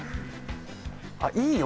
あっいいよ